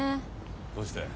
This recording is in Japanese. どうして？